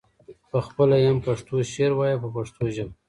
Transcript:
پخپله یې هم پښتو شعر وایه په پښتو ژبه.